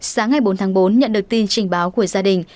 sáng ngày bốn tháng bốn nhận được tin trình báo của gia đình